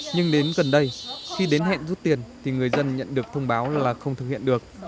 nhưng đến gần đây khi đến hẹn rút tiền thì người dân nhận được thông báo là không thực hiện được